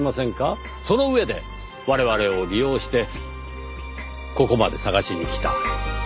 その上で我々を利用してここまで捜しに来た。